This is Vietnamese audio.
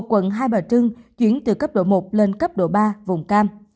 quận hai bà trưng chuyển từ cấp độ một lên cấp độ ba vùng cam